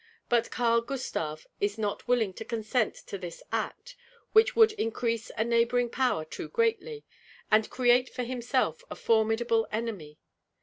But Karl Gustav is not willing to consent to this act, which would increase a neighboring power too greatly, and create for himself a formidable enemy.